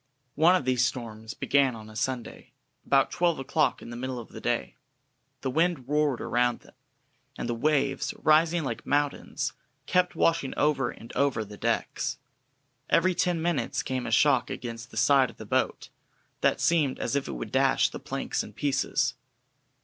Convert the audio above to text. One of these storms began on a Sunday, about twelve o'clock in the middle of the day. The wind roared round them, and the waves, rising like mountains, kept washing over and over the decks. Every ten minutes came a shock against the side of the boat, that seemed as if it would dash the planks in pieces.